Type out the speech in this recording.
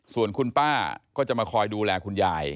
ส่วนคุณป้าก็จะมาคอยดูแลคุณยาย